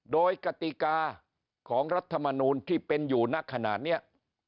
โดยกติกาของรัฐมนูลที่เป็นอยู่นักขนาดนี้